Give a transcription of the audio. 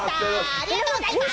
ありがとうございます。